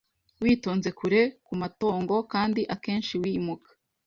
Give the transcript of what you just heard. Witonze kure kumatongo kandi akenshi wimuka